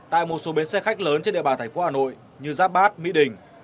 tại một số bến xe khách lớn trên địa bàn thành phố hà nội như giáp bát mỹ đình